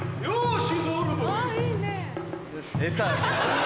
よし！